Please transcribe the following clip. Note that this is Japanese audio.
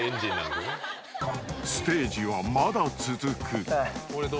［ステージはまだ続く］